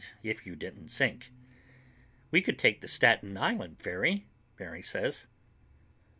If you didn't sink." "We could take the Staten Island ferry," Mary says.